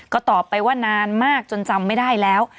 ก็ตอบไปว่านานมากจนจำไม่ได้แล้ว